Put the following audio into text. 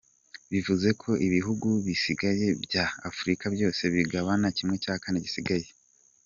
Bivuze ko ibihugu bisigaye bya Afurika byose bigabana ¼ gisigaye.